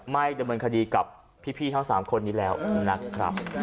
ไม่ดำเนินคดีกับพี่ทั้ง๓คนนี้แล้วนะครับ